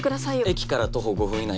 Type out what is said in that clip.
駅から徒歩５分以内。